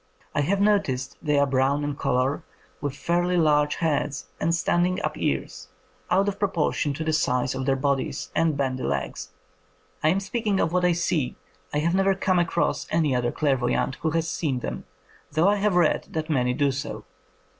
I have noticed they are brown in colour, with fairly large heads and standing up ears, out of proportion to the size of their bodies, and bandy legs. I am speaking of what I see. I have never come across any other clairvoyant who has seen them, though I have read that many do so.